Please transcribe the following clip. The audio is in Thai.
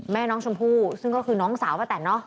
แม่น้องชมพู่ซึ่งก็คือน้องสาวป้าแต่นเนาะ